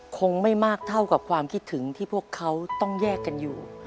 คงไม่มากเท่ากับความคิดถึงที่พวกเขาต้องแยกกันอยู่